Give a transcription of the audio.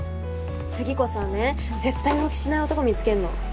次こそはね絶対浮気しない男見つけんの。